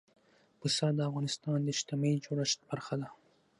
پسه د افغانستان د اجتماعي جوړښت برخه ده.